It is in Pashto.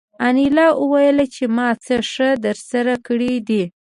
انیلا وویل چې ما څه ښه درسره کړي دي